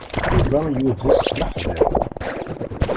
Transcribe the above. Yuba yudes s leḥder.